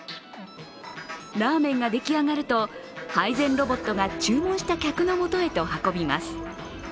ラーメンが出来上がると配膳ロボットが注文した客のもとへと運びます。